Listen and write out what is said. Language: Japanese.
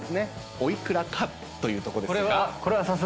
お幾らかというとこですが。